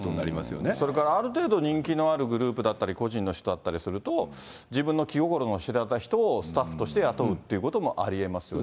それからある程度、人気のあるグループだったり、個人の人だったりすると、自分の気心の知れた人を、スタッフとして雇うってこともありえますよね。